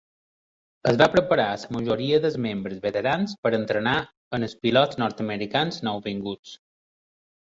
Es va preparar a la majoria dels membres veterans per entrenar als pilots nord-americans nouvinguts.